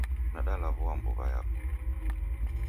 Nandalaw'ua mbuw'a yapo.